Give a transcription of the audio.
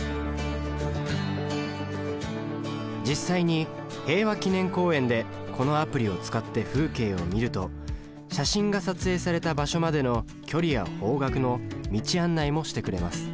実際に平和記念公園でこのアプリを使って風景を見ると写真が撮影された場所までの距離や方角の道案内もしてくれます。